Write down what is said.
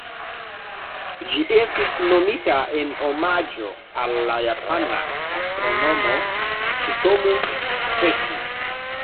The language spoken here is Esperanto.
Ĝi estis nomita en omaĝo al la japana astronomo Tsutomu Seki.